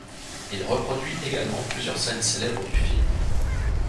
Il reproduit également plusieurs scènes célèbres du film.